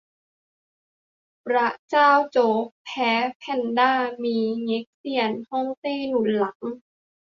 บร๊ะเจ้าโจ๊ก แพ้ แพนด้า มี เง็กเซียนฮ่องเต้หนุนหลัง